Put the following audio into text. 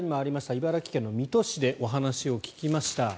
茨城県の水戸市でお話を聞きました。